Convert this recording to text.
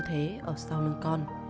tư thế ở sau lưng con